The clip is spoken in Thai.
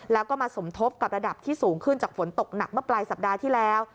แล้วก็มาสมทบกับระดับที่สูงขึ้นจากฝนตกหนักเมื่อปลายสัปดาห์ที่แล้ว